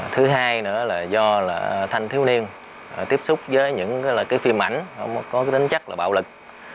thứ hai nữa là do thanh thiếu niên tiếp xúc với những cái phim ảnh có tính chất là bạo lực